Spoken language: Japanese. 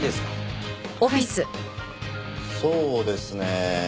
そうですね。